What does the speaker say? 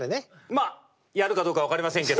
まあやるかどうか分かりませんけど。